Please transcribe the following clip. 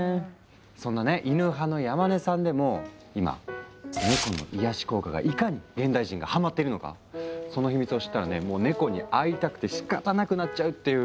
そんなねイヌ派の山根さんでも今ネコの癒やし効果がいかに現代人がハマってるのかその秘密を知ったらねもうネコに会いたくてしかたなくなっちゃうっていう。